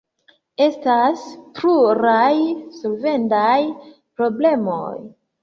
Estas pluraj solvendaj problemoj.